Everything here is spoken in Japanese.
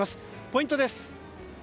ポイントです。